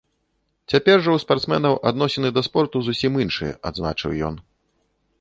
Цяпер жа ў спартсменаў адносіны да спорту зусім іншыя, адзначыў ён.